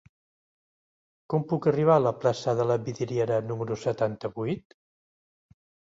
Com puc arribar a la plaça de la Vidriera número setanta-vuit?